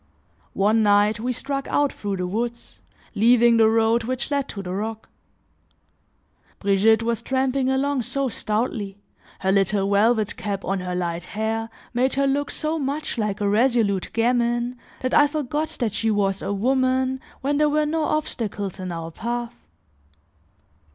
One night, we struck out through the woods, leaving the road which led to the rock. Brigitte was tramping along so stoutly, her little velvet cap on her light hair made her look so much like a resolute gamin, that I forgot that she was a woman when there were no obstacles in our path.